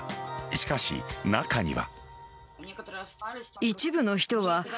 しかし、中には。